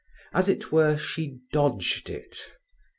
As it were, she dodged it.